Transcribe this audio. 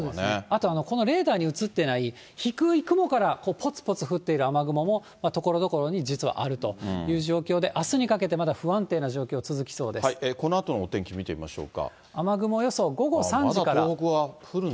あと、このレーダーに映っていない、低い雲からぽつぽつ降っている雨雲も、ところどころに実はあるという状況で、あすにかけて、このあとのお天気見てみまし雨雲予想、午後３時から。